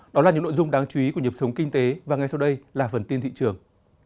đó là những nội dung đáng chú ý của nhịp sống kinh tế và ngay sau đây là phần tin thị trường